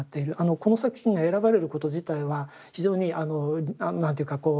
この作品が選ばれること自体は非常に何ていうかこう。